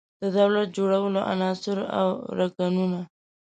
د دولت جوړولو عناصر او رکنونه